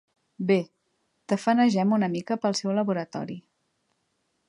Bé, tafanegem una mica pel seu laboratori.